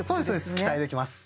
期待できます